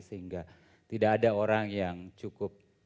sehingga tidak ada orang yang cukup